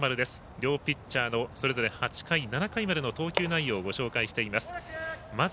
両ピッチャーのそれぞれ８回、７回までの投球内容をご紹介しています。